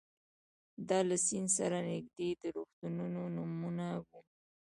دا له سیند سره نږدې د روغتونونو نومونه ول.